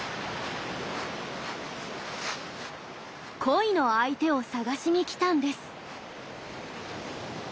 恋の相手を探しにきたんです。